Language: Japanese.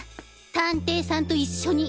探偵さんと一緒に。